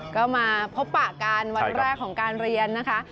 ก็มาพบปะกันวันแรกของการเรียนนะคะ